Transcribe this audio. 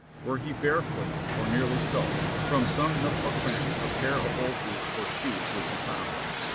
Were he barefoot, or nearly so, from some nook or cranny a pair of old boots or shoes would be found.